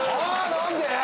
何で！？